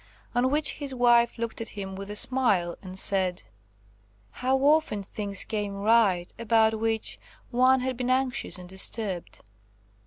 On which his wife looked at him with a smile, and said. "How often things came right, about which one had been anxious and disturbed."